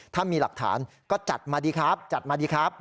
ถ้ามีหลักฐานก็จัดมาดีครับจัดมาดีครับ